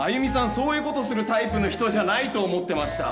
そういうことするタイプの人じゃないと思ってました。